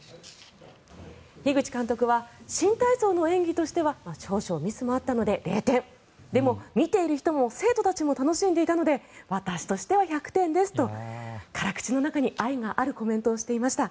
樋口監督は新体操の演技としては少々ミスもあったので０点でも、見ている人も生徒たちも楽しんでいたので私としては１００点ですと辛口の中に愛があるコメントをしていました。